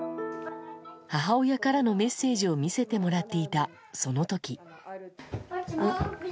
母親からのメッセージを見せてもらっていた、その時。